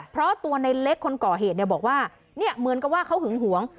เพราะตัวในเล็กคนก่อเหตุเนี่ยบอกว่าเหมือนกับว่าเขาหึงหวง